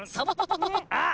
あっ！